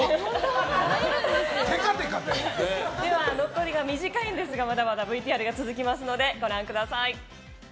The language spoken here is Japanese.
残りは短いんですがまだまだ続きますのでご覧ください。